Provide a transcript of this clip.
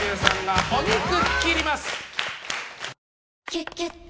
「キュキュット」